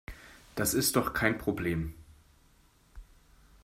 Das ist doch kein Problem.